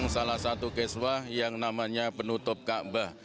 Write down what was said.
salah satu keswah yang namanya penutup kaabah